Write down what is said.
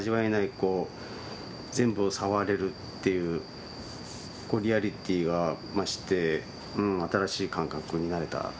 こう全部を触れるっていうリアリティーが増して新しい感覚になれた。